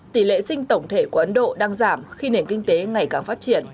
tỷ lệ sinh tổng thể của ấn độ đang giảm khi nền kinh tế ngày càng phát triển